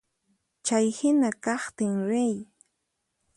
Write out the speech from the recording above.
Chay hina kaqtin riy.